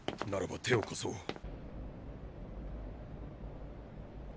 ならば手を貸そう。